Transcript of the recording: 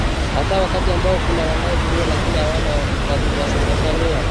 hasa wakati ambao kuna wanaodhurumiwa lakini hawana wa kuwasemeakuna wanaotaka ukombozi lakini hawajui